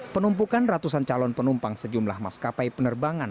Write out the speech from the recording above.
penumpukan ratusan calon penumpang sejumlah maskapai penerbangan